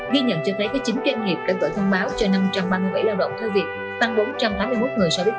ghi nhận cho thấy có chín doanh nghiệp đã gửi thông báo cho năm trăm ba mươi bảy lao động thơ việc tăng bốn trăm tám mươi một người so với cuồng kỳ